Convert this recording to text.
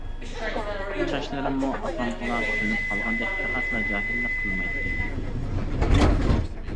چاچلىرىممۇ ئاپامغىلا كۆنۈپ قالغاندەك پەقەتلا جاھىللىق قىلمايتتى.